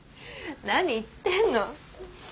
何言ってんの。